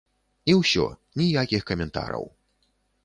І ўсё, ніякіх каментараў.